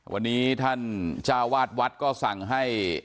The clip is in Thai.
วันนี้ท่านเจ้าวาดวัดก็สั่งให้